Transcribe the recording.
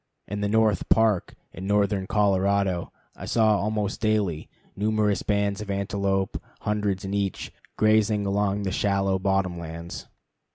In the North Park in northern Colorado, I saw almost daily numerous bands of antelope, hundreds in each, grazing along the shallow bottom lands.